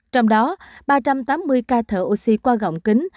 trong đó ba trăm tám mươi ca thở oxy qua gọng kính